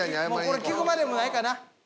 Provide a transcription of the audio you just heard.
これ聞くまでもないかな。